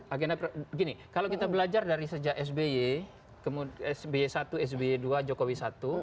agenda gini kalau kita belajar dari sejak sby sby satu sby dua jokowi satu